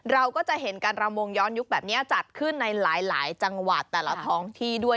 เราก็จะเห็นการรำวงย้อนยุคแบบนี้จัดขึ้นในหลายจังหวัดแต่ละท้องที่ด้วย